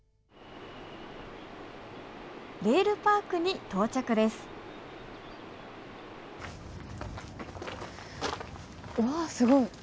レールパークに到着ですわあすごい。